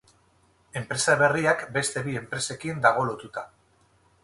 Enpresa berriak beste bi enpresekin dago lotuta.